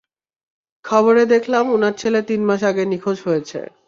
খবরে দেখলাম উনার ছেলে তিন মাস আগে নিখোঁজ হয়েছে।